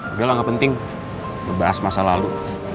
udah lah gak penting ngebahas masa lalu